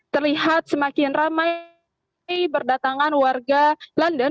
terlihat semakin ramai berdatangan warga london